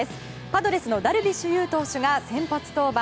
パドレスのダルビッシュ有投手が先発登板。